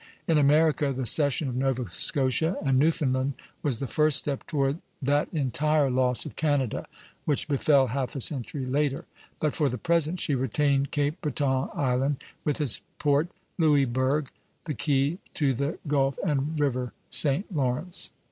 In America, the cession of Nova Scotia and Newfoundland was the first step toward that entire loss of Canada which befell half a century later; but for the present she retained Cape Breton Island, with its port Louisburg, the key to the Gulf and River St. Lawrence.